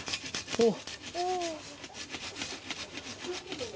おっ！